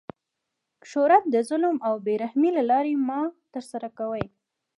شهرت د ظلم او بې رحمۍ له لاري مه ترسره کوئ!